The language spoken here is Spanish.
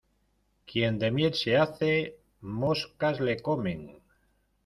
Quien de miel se hace, moscas le comen.